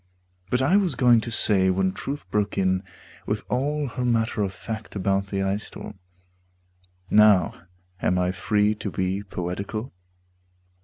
But I was going to say when Truth broke in With all her matter of fact about the ice storm (Now am I free to be poetical?)